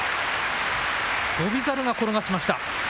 翔猿が転がしました。